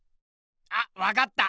あっわかった！